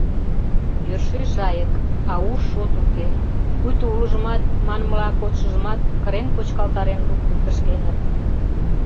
Йӧршеш айык, а уш-шот уке, пуйто улыжымат, манмыла, кодшыжымат кырен-почкалтарен луктын кышкеныт.